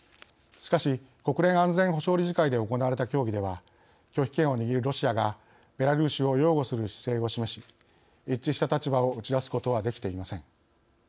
しかし国連安全保障理事会で行われた協議では拒否権を握るロシアがベラルーシを擁護する姿勢を示し一致した立場を打ち出すことはできていません。